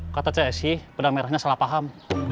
kata csi benang merahnya salah paham